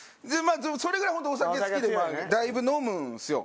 それぐらいホントお酒好きでだいぶ飲むんですよ。